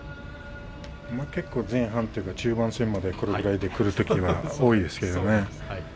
結構、前半とか、中盤戦までこれぐらいでくるときは多いですよね。